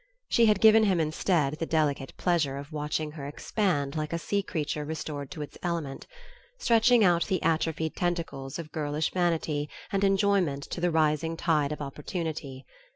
She had given him, instead, the delicate pleasure of watching her expand like a sea creature restored to its element, stretching out the atrophied tentacles of girlish vanity and enjoyment to the rising tide of opportunity.